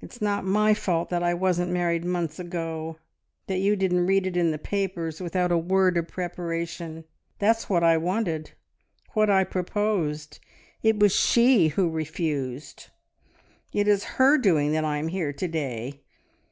It's not my fault that I wasn't married months ago, that you didn't read it in the papers without a word of preparation! That's what I wanted ... what I proposed. It was she who refused. It is her doing that I am here to day.